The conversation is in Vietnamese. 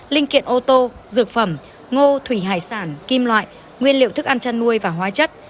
linh kiện ô tô dược phẩm ngô thủy hải sản kim loại nguyên liệu thức ăn chăn nuôi và hóa chất